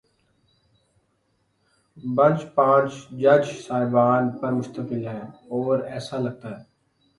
Bench پانچ جج صاحبان پر مشتمل ہے، اور ایسا لگتا ہے۔